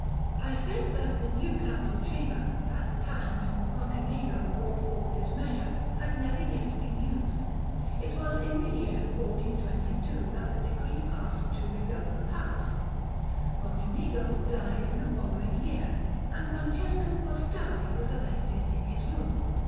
I said that the new Council Chamber, at the time when Mocenigo brought forward his measure, had never yet been used. It was in the year 1422 that the decree passed to rebuild the palace: Mocenigo died in the following year, and Francesco Foscari was elected in his room.